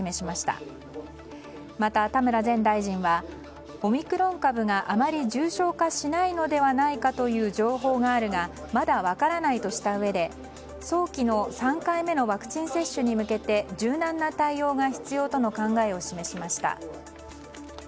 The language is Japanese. また、田村前大臣はオミクロン株があまり重症化しないのではないかという情報があるがまだ分からないとしたうえで早期の３回目のワクチン接種に向けて柔軟な対応が必要との考えを示しました。